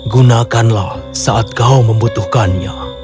gunakanlah saat kau membutuhkannya